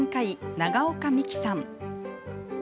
長岡美樹さん。